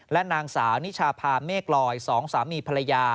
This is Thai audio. และนางสาวนิชาพาเมฆลอย๒สามีภรรยา